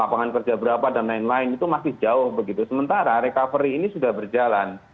tapi seharusnya bers starters berapa tarja berapa dan lain lain itu masih jauh begitu sementara recovery ini sudah berjalan